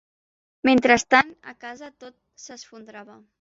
Mentrestant, a casa, tot s'esfondrava.